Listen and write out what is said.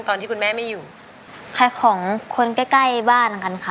ตอนที่คุณแม่ไม่อยู่ขายของคนใกล้ใกล้บ้านเหมือนกันค่ะ